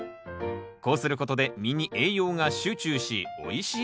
こうすることで実に栄養が集中しおいしい